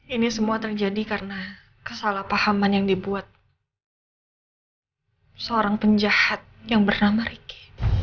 ini semua terjadi karena kesalahpahaman yang dibuat seorang penjahat yang bernama riki